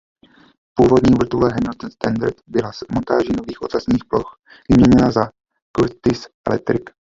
Původní vrtule Hamilton Standard byla s montáží nových ocasních ploch vyměněna za Curtiss Electric.